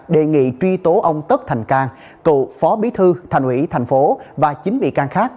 đề nghị truy tố ông tất thành cang cựu phó bí thư thành ủy thành phố và chín bị can khác